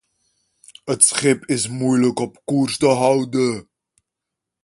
Het schip is moeilijk op koers te houden.